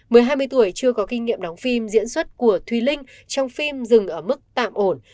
mới hai mươi tuổi chưa có kinh nghiệm đóng phim diễn xuất của thùy linh trong phim dừng ở mức tạm ổn